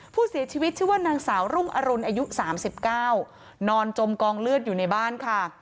ผู้เสียชีวิตชื่อว่านางสาวรุ่งอรุณอายุ๓๙นอนจมกองเลือดอยู่ในบ้านค่ะ